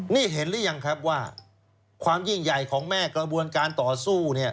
นี่เห็นหรือยังครับว่าความยิ่งใหญ่ของแม่กระบวนการต่อสู้